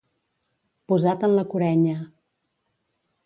Posat en la curenya.